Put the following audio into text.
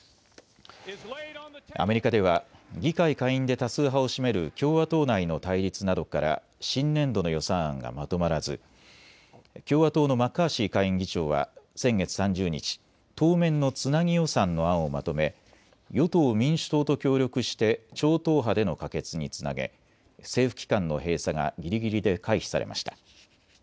アメリカでは議会下院で多数派を占める共和党内の対立などから新年度の予算案がまとまらず、共和党のマッカーシー下院議長は先月３０日、当面のつなぎ予算の案をまとめ与党・民主党と協力して超党派での可決につなげ政府機関の閉鎖がぎりぎりで回避されました。